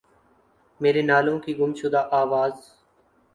میرے نالوں کی گم شدہ آواز